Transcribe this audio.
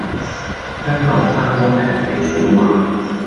香港山多平地少嘛